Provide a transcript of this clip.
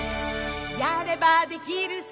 「やればできるさ